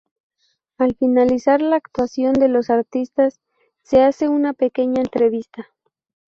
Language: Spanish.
Al finalizar la actuación de los artistas se hace una pequeña entrevista.